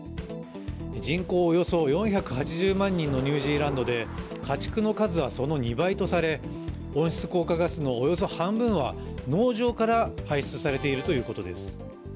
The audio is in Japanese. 人口およそ４８０万人のニュージーランドで家畜の数はその２倍とされ温室効果ガスのおよそ半分は農場から排出されているということです。